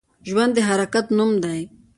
ژوند د حرکت نوم دی